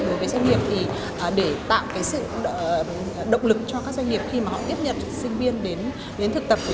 đối với doanh nghiệp để tạo sự động lực cho các doanh nghiệp khi họ tiếp nhận sinh viên đến thực tập